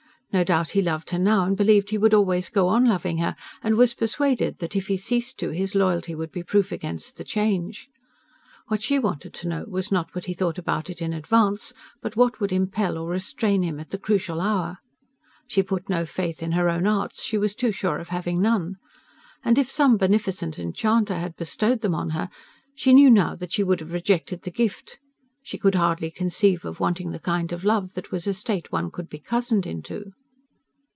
No doubt he loved her now, and believed he would always go on loving her, and was persuaded that, if he ceased to, his loyalty would be proof against the change. What she wanted to know was not what he thought about it in advance, but what would impel or restrain him at the crucial hour. She put no faith in her own arts: she was too sure of having none! And if some beneficent enchanter had bestowed them on her, she knew now that she would have rejected the gift. She could hardly conceive of wanting the kind of love that was a state one could be cozened into...